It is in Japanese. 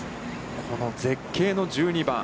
この絶景の１２番。